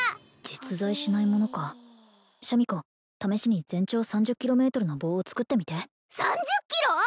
実在しないものかシャミ子試しに全長３０キロメートルの棒を作ってみて３０キロ！？